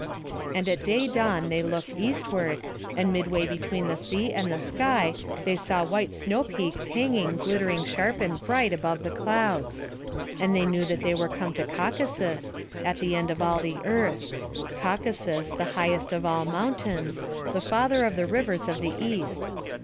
And at day dawn they looked eastward, and midway between the sea and the sky they saw white snow peaks hanging glittering sharp and bright above the clouds. And they knew that they were come to Caucasus, at the end of all the earth; Caucasus the highest of all mountains, the father of the rivers of the East.